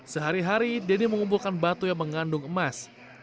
sehari hari denny mengumpulkan batu yang mengandung emas